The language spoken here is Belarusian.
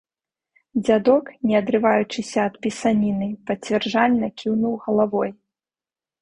Дзядок, не адрываючыся ад пісаніны, пацвярджальна кіўнуў галавой.